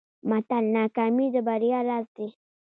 متل: ناکامي د بریا راز دی.